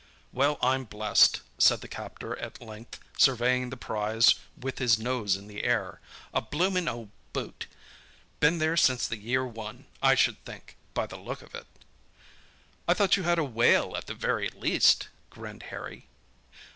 "Well, I'm blessed!" said the captor at length, surveying the prize with his nose in the air. "A blooming old boot! Been there since the year one, I should think, by the look of it." "I thought you had a whale at the very least," grinned Harry.